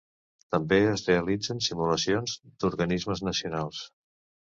També es realitzen simulacions d'organismes nacionals.